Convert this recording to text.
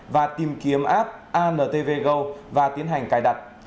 và tìm kiếm app antv go và tiến hành cài đặt